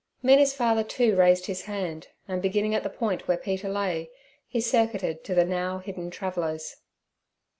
Mina's father, too, raised his hand, and beginning at the point where Peter lay, he circuited to the now hidden travellers.